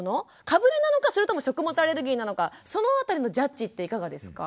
かぶれなのかそれとも食物アレルギーなのかその辺りのジャッジっていかがですか？